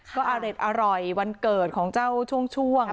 ก็อเด็ดอร่อยวันเกิดของเจ้าช่วง